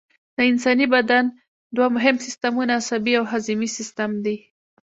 د انساني بدن دوه مهم سیستمونه عصبي او هضمي سیستم دي